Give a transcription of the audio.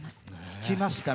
聞きました？